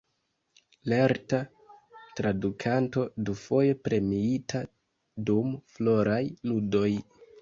Lerta tradukanto, dufoje premiita dum Floraj Ludoj.